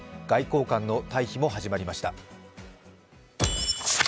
外交官の退避も始まりました。